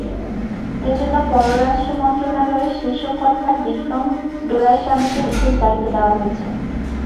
এ জন্য পররাষ্ট্র মন্ত্রণালয়ের শীর্ষ কর্তা বিক্রম ডোরাইস্বামীকে বিশেষ দায়িত্ব দেওয়া হয়েছে।